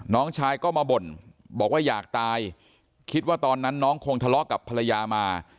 น้องชายก็มาบ่นบอกว่าอยากตายคิดว่าตอนนั้นน้องคงทะเลาะกับภรรยามา